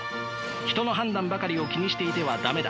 人の判断ばかりを気にしていては駄目だ。